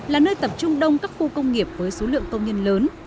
là nơi tập trung đông các khu công nghiệp với số lượng công nhân lớn